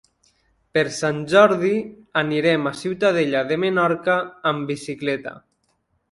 Per Sant Jordi anirem a Ciutadella de Menorca amb bicicleta.